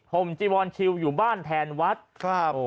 ผมจีวอลชิลอยู่บ้านแทนวัฒน์